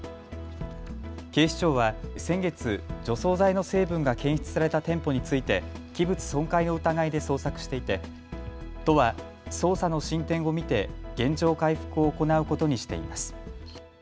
警視庁は先月、除草剤の成分が検出された店舗について器物損壊の疑いで捜索していて都は捜査の進展を見て原状回復を行うことにしています。